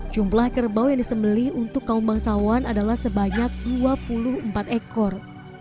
jumlah kerbau yang disembeli untuk kaum bangsawan adalah sebanyak dua puluh empat ekor